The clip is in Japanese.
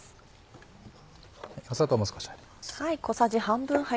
砂糖も少し入ります。